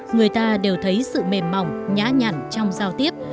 người ta đều thấy sự mềm mỏng nhã nhẳn trong giao tiếp